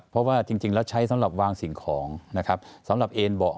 เพราะว่าจริงแล้วใช้สำหรับวางสิ่งของนะครับ